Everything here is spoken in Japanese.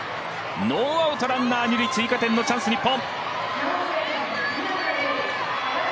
ノーアウト、ランナー、二塁追加点のチャンス、日本。